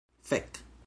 fek